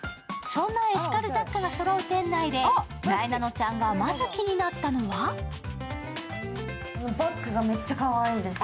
そんなエシカル雑貨がそろう店内で、なえなのちゃんがまず気になったのはバッグがめっちゃかわいいです。